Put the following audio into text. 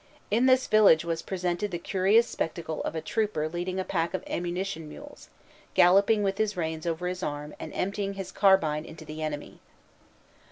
In this village was pre sented the curious spectacle of a trooper leading a pack of ammunition mules, galloping with his reins over his arm ind emptying his carbine into the enemy.